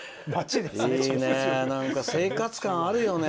いいね、なんか生活感あるよね。